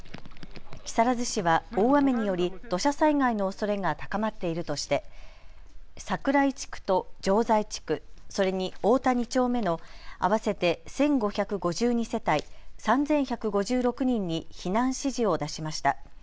木更津市は大雨により土砂災害のおそれが高まっているとして桜井地区と請西地区、それに太田２丁目の合わせて１５５２世帯３１５６人に避難指示を出しました。